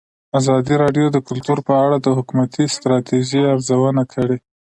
ازادي راډیو د کلتور په اړه د حکومتي ستراتیژۍ ارزونه کړې.